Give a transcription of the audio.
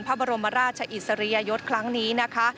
พระบรมราชอีตศรียายศคล้างนี้นะคะ